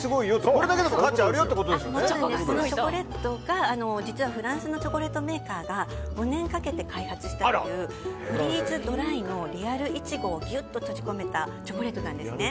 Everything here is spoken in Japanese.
このチョコレートが実はフランスのチョコレートメーカーが５年かけて開発したというフリーズドライのリアルイチゴをぎゅと閉じ込めたチョコレートなんですね。